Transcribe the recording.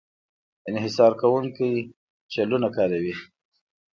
انحصار کوونکی چلونه کاروي.